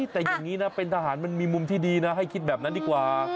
แต่อย่างนี้นะเป็นทหารมันมีมุมที่ดีนะให้คิดแบบนั้นดีกว่า